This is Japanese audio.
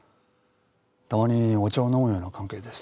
たまにお茶を飲むような関係です。